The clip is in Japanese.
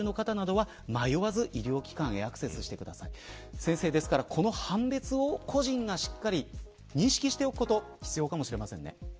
先生、ですからこの判別を個人がしっかり認識しておくことが必要かもしれませんね。